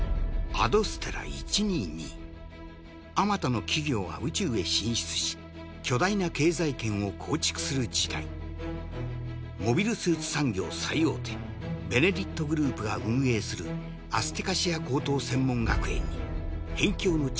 アド・ステラ１２２あまたの企業が宇宙へ進出し巨大な経済圏を構築する時代モビルスーツ産業最大手「ベネリット」グループが運営するアスティカシア高等専門学園に辺境の地